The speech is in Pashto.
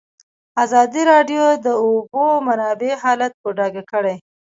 ازادي راډیو د د اوبو منابع حالت په ډاګه کړی.